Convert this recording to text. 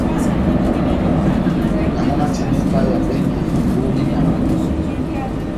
Na mɔ na timbaha ipaheya bɛngi dibohó dá ihɔjɔ.